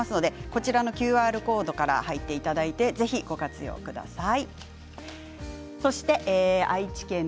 こちらのＱＲコードから入っていただいてぜひご活用ください。